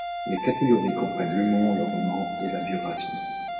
Les catégories comprennent l'humour, le roman et la biographie.